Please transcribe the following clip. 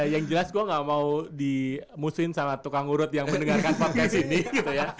yang jelas gue gak mau dimusuhin sama tukang urut yang mendengarkan podcast ini gitu ya